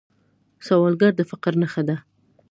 سوالګر د فقر نښه ده